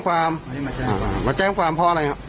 ก็ต้องแก่